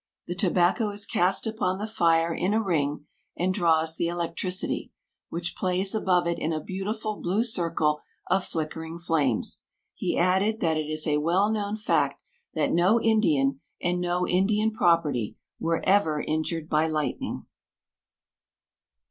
The tobacco is cast upon the fire in a ring, and draws the electricity, which plays above it in a beautiful blue circle of flickering flames. He added that it is a well known fact that no Indian and no Indian property were ever injured by lightning.